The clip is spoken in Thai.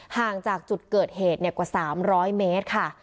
ห่างจากจุดเกิดเหตุกว่า๓๐๐เมตรค่ะ